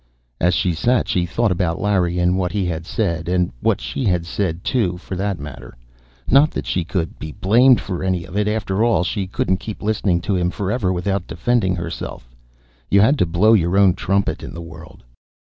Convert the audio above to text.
As she sat she thought about Larry and what he had said. And what she had said, too, for that matter not that she could be blamed for any of it. After all, she couldn't keep listening to him forever without defending herself; you had to blow your own trumpet in the world.